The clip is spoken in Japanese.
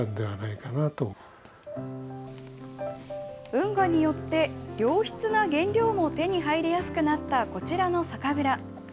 運河によって、良質な原料も手に入りやすくなったこちらの酒蔵。